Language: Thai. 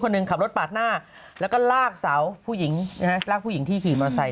อายุคนหนึ่งขับรถปาดหน้าแล้วก็ลากสาวผู้หญิงลากผู้หญิงที่ขี่มอเมอร์ไซค์